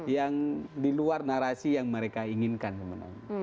yang di luar narasi yang mereka inginkan sebenarnya